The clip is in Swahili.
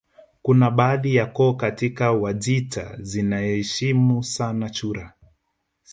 Kuna baadhi ya koo katika Wajita zinaheshimu sana chura